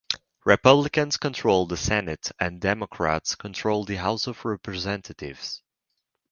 Republicans controlled the Senate and Democrats controlled the House of Representatives.